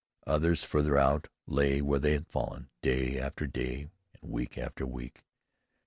Others farther out lay where they had fallen day after day and week after week.